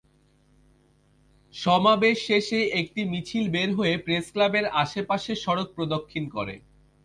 সমাবেশ শেষে একটি মিছিল বের হয়ে প্রেসক্লাবের আশপাশের সড়ক প্রদক্ষিণ করে।